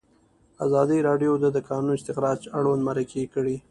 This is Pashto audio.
ازادي راډیو د د کانونو استخراج اړوند مرکې کړي.